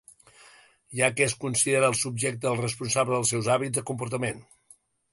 Ja que es considera el subjecte responsable dels seus hàbits de comportament.